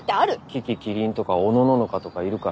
樹木希林とかおのののかとかいるから。